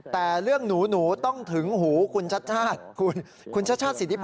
แต่เรื่องหนูต้องถึงหูคุณชชาติ